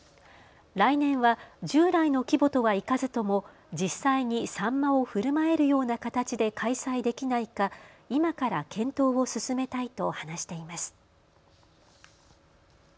来年は従来の規模とはいかずとも実際にサンマをふるまえるような形で開催できないか今から検討を進めたいと話しています。